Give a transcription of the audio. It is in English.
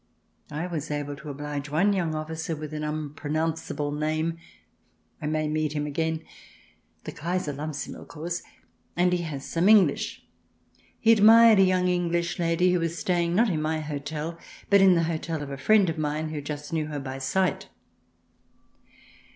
I was able to oblige one young officer with an unpronounceable name (I may meet him again). The Kaiser loves him, of course, and he has some English. He admired a young Enghsh lady who was staying, not in my hotel, but in the hotel of a friend of mine who just knew her by sight.